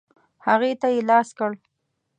هغې ته یې لاس کړ.